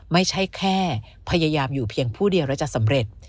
ไม่ใช่แค่พยายามอยู่เพียงผู้เดียวแล้วจะสำเร็จ